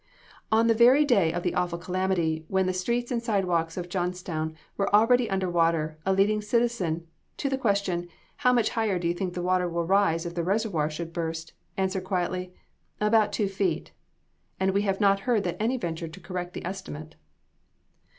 On the very day of the awful calamity, when the streets and sidewalks of Johnstown were already under water, a leading citizen, to the question, "How much higher do you think the water will rise if the reservoir should burst?" answered quietly, "About two feet;" and we have not heard that any ventured to correct the estimate.